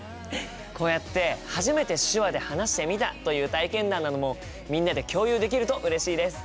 こうやって初めて手話で話してみたという体験談などもみんなで共有できるとうれしいです。